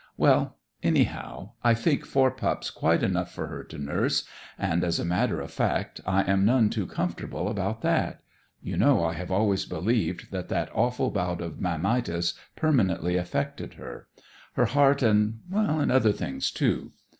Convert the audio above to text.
"Well, anyhow, I think four pups quite enough for her to nurse. And, as a matter of fact, I am none too comfortable about that. You know I have always believed that that awful bout of mammitis permanently affected her; her heart, and and other things, too.